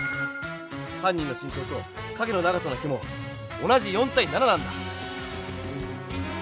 犯人の身長と影の長さの比も同じ４対７なんだ！